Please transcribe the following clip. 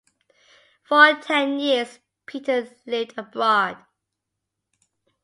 For ten years Peter lived abroad.